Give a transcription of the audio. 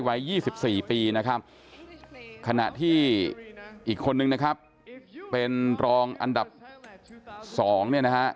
วัย๒๔ปีนะครับขณะที่อีกคนนึงนะครับเป็นรองอันดับ๒เนี่ยนะฮะ